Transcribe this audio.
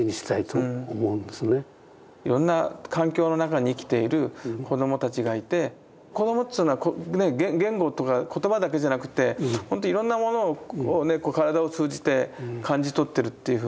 いろんな環境の中に生きている子どもたちがいて子どもというのは言語とか言葉だけじゃなくていろんなものを体を通じて感じ取ってるっていうふうに。